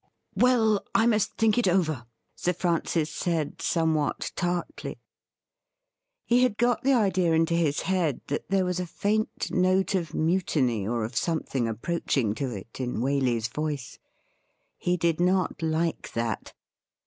' Well, I must think it over,' Sir Francis said, somewhat tartly. He had got the idea into his head that there was a faint note of mutiny or of something approaching to it in Waley's voice. He did not like that.